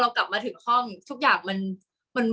กากตัวทำอะไรบ้างอยู่ตรงนี้คนเดียว